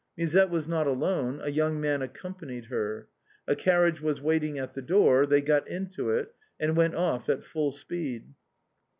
Musette was not alone, a young man accompanied her. A carriage was waiting at the door; they got into it and went off at full speed.